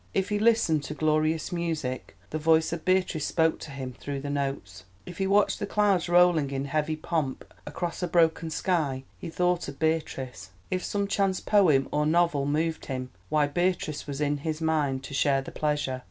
If he listened to glorious music, the voice of Beatrice spoke to him through the notes; if he watched the clouds rolling in heavy pomp across a broken sky he thought of Beatrice; if some chance poem or novel moved him, why Beatrice was in his mind to share the pleasure.